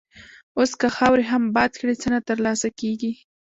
اوس که خاورې هم باد کړې، څه نه تر لاسه کېږي.